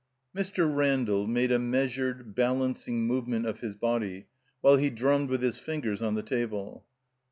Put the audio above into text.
Mr. Randall made a measured, balancing move ment of his body while he drummed with his fingers on the table.